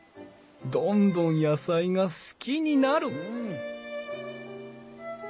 どんどん野菜が好きになる！